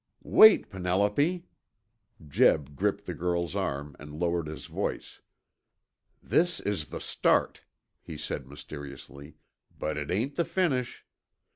"Wait, Penelope." Jeb gripped the girl's arm, and lowered his voice. "This is the start," he said mysteriously. "But it ain't the finish.